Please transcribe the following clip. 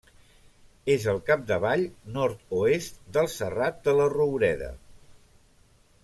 És al capdavall, nord-oest, del Serrat de la Roureda.